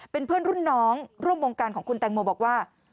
เป็นเพื่อนรุ่นน้องร่วมวงการของคุณแตงโมบอกว่า